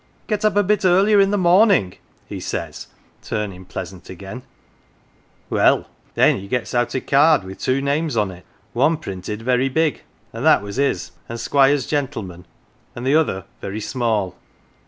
Get up a bit earlier in the morning,' he says, turnin' pleasant again. 107 POLITICS Well, then he gets out a card with two names on it. One printed very big and that was his and Squired gentleman and the other very small.